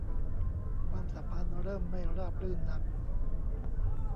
ความสัมพันธ์เริ่มไม่ราบรื่นนัก